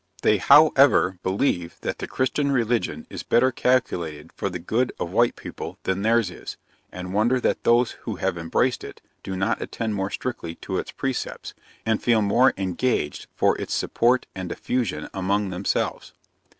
They, however, believe, that the Christian religion is better calculated for the good of white people than theirs is; and wonder that those who have embraced it, do not attend more strictly to its precepts, and feel more engaged for its support and diffusion among themselves.